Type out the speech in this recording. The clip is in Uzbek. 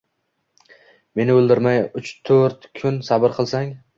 Meni o’ldirmay, uchto’rt kun sabr qilsang.